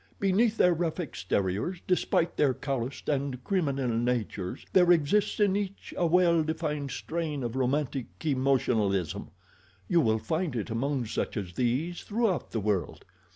"Beneath their rough exteriors, despite their calloused and criminal natures, there exists in each a well defined strain of romantic emotionalism—you will find it among such as these throughout the world.